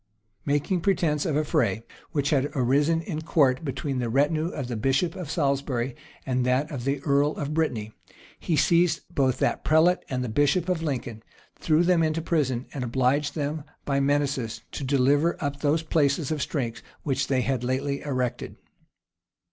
[*] Making pretence of a fray, which had arisen in court between the retinue of the bishop of Salisbury and that of the earl of Brittany, he seized both that prelate and the bishop of Lincoln, threw them into prison, and obliged them by menaces to deliver up those places of strength which they had lately erected.